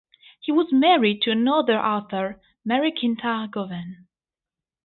He was married to another author, Mary Quintard Govan.